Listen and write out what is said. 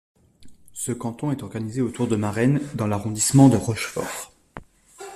Ce canton est organisé autour de Marennes dans l'arrondissement de Rochefort.